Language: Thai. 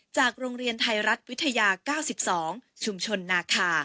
โรงเรียนไทยรัฐวิทยา๙๒ชุมชนนาคา